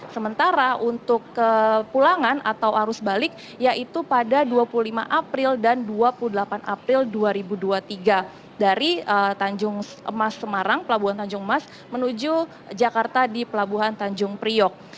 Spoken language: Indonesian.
sementara untuk kepulangan atau arus balik yaitu pada dua puluh lima april dan dua puluh delapan april dua ribu dua puluh tiga dari tanjung emas semarang pelabuhan tanjung mas menuju jakarta di pelabuhan tanjung priok